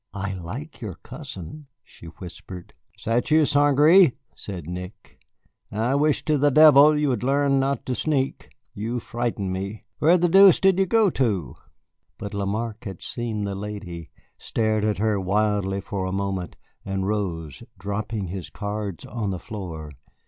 "I like your cousin," she whispered. "Is that you, St. Gré?" said Nick. "I wish to the devil you would learn not to sneak. You frighten me. Where the deuce did you go to?" But Lamarque had seen the lady, stared at her wildly for a moment, and rose, dropping his cards on the floor.